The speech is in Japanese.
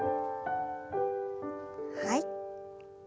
はい。